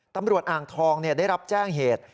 ตำรวจอ่างทองได้รับแจ้งเหตุ